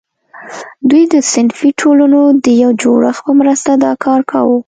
دوی د صنفي ټولنو د یو جوړښت په مرسته دا کار کاوه.